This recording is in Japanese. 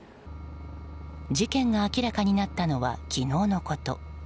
事件が明らかになったのは昨日のこと。